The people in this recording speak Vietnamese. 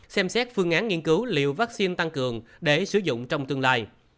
xem xét phương án nghiên cứu liều vaccine tăng cường để sử dụng trong tương lai